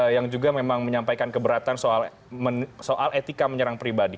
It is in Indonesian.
yang juga memang menyampaikan keberatan soal etika menyerang pribadi